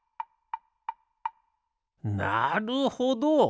なるほど！